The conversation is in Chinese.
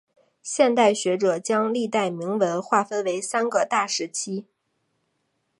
现代学者将历代铭文划分为三个大时期。